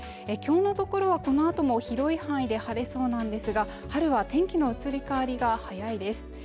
今日のところはこのあとも広い範囲で晴れそうなんですが春は天気の移り変わりが早いです